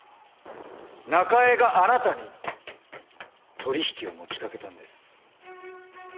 中江があなたに取り引きを持ちかけたんです。